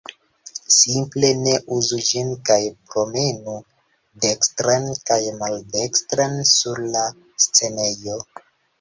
Simple, ne uzu ĝin kaj promenu dekstren kaj maldekstren sur la scenejo